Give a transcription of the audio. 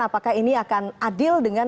apakah ini akan adil dengan